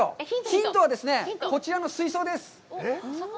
ヒントはですね、こちらの水槽です。